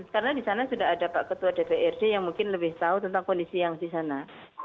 karena di sana sudah ada pak ketua dprd yang mungkin lebih tahu tentang kondisi yang di sana